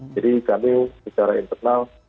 jadi kami secara internal